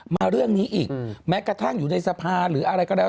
มาเรื่องนี้อีกแม้กระทั่งอยู่ในสภาหรืออะไรก็แล้ว